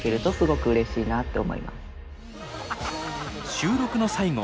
収録の最後